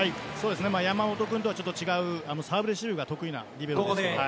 山本君とは違うサーブレシーブが得意なリベロです。